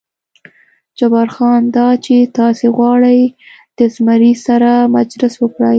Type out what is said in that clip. جبار خان: دا چې تاسې غواړئ د زمري سره مجلس وکړئ.